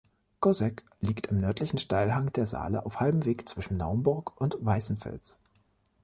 Goseck liegt am nördlichen Steilhang der Saale auf halbem Weg zwischen Naumburg und Weißenfels.